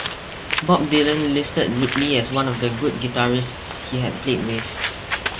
Bob Dylan listed Ripley as one of the good guitarists he had played with.